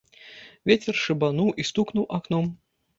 Вецер шыбануў і стукнуў акном.